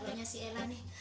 ben dihiti dahulu sih